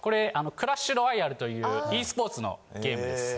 クラッシュ・ロワイヤルというｅスポーツのゲームです。